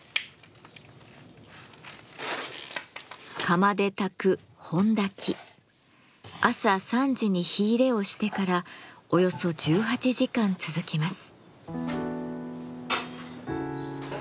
釜で焚く朝３時に火入れをしてからおよそ１８時間続きます。